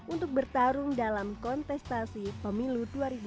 untuk bertarung dalam kontestasi pemilu dua ribu dua puluh